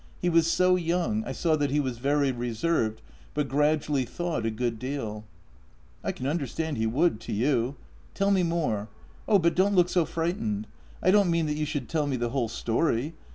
He was so young. I saw that he was very reserved, but gradually thawed a good deal." "I can understand he would — to you. Tell me more! Oh, but don't look so frightened. I don't mean that you should tell me the whole story.